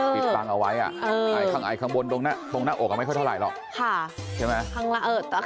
ติดคังเอาไว้ข้างใกล้เค้าบนตรงหน้าอกอ่ะไม่ค่อยเท่าไหร่หรอก